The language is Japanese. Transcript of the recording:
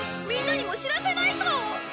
みんなにも知らせないと！